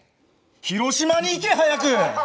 広島にいけ早く！